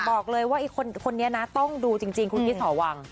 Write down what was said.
บอกเลยว่าคนนี้นะต้องดูจริงคุณกิ๊สหอวัง